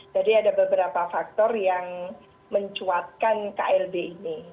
jadi ada beberapa faktor yang mencuatkan klb ini